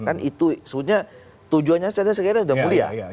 kan itu sebutnya tujuannya saya kira kira sudah mulia